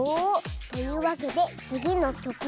というわけでつぎのきょくは「さあ！」。